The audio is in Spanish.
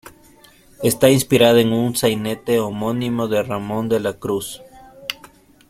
Está inspirada en un sainete homónimo de Ramón de la Cruz.